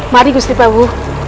mari gusti prabu